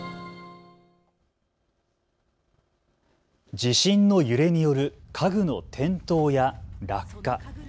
地震の揺れによる家具の転倒や落下。